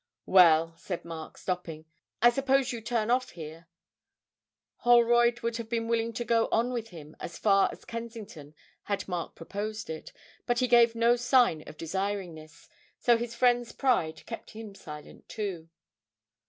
'Well,' said Mark, stopping, 'I suppose you turn off here?' Holroyd would have been willing to go on with him as far as Kensington had Mark proposed it, but he gave no sign of desiring this, so his friend's pride kept him silent too.